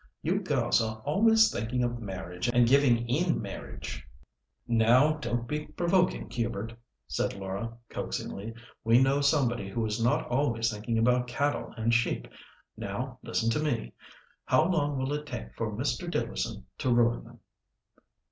You girls are always thinking of marriage and giving in marriage." "Now don't be provoking, Hubert," said Laura, coaxingly; "we know somebody who is not always thinking about cattle and sheep. Now, listen to me. How long will it take for Mr. Dealerson to ruin them?"